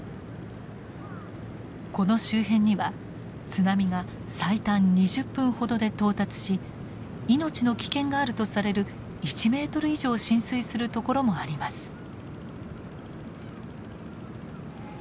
この周辺には津波が最短２０分ほどで到達し命の危険があるとされる１ｍ以上浸水するところもあります。